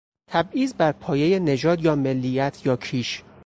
تبعیض بر پایهی نژاد یا ملیت یا کیش